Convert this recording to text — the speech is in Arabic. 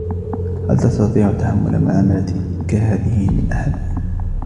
هل تستطيع تحمُّل معاملةٍ كهذه من أحد ؟